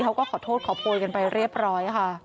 เขาก็ขอโทษขอโพยกันไปเรียบร้อยค่ะ